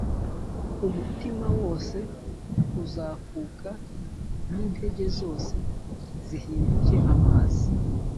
umutima wose uzakuka, n’intege zose zihinduke amazi